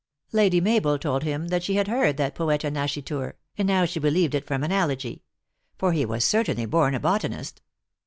Lady Mabel told him that she had heard th&tpoeta nascitur, and now she believed it from analogy ; for he was certainly born a botanist.